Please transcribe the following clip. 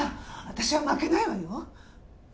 私は負けないわよ。